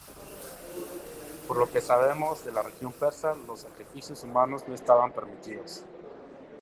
Por lo que sabemos de la religión persa, los sacrificios humanos no estaban permitidos.